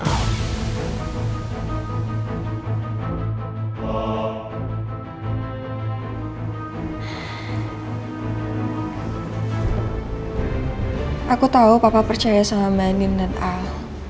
aku tau papa percaya sama mba anin dan al